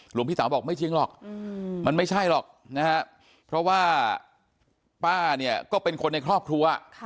หลวงพี่เต๋าบอกไม่จริงหรอกมันไม่ใช่หรอกนะฮะเพราะว่าป้าเนี่ยก็เป็นคนในครอบครัว